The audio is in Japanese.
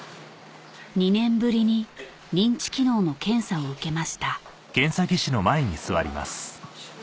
２年ぶりに認知機能の検査を受けました